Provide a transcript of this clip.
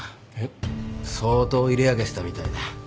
相当入れ揚げてたみたいだ。